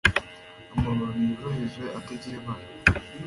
Amababi yoroheje atagira ibara